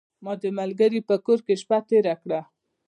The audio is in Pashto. ما د ملګري په کور کې شپه تیره کړه .